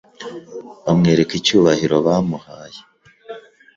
bamwereka icyubahiro bamuhaye